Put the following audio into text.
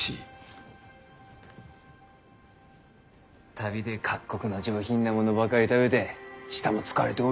旅で各国の上品なものばかり食べて舌も疲れておるだろう。